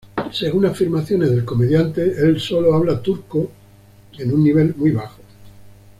Según afirmaciones del comediante el solo habla turco en un nivel muy bajo.